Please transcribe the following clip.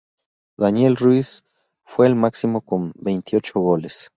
Daniel Ruiz fue el máximo con veintiocho goles.